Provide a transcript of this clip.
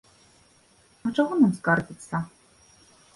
А чаго нам скардзіцца?